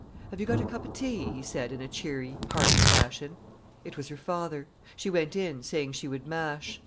"Have you got a cup of tea?" he said in a cheery, hearty fashion. It was her father. She went in, saying she would mash.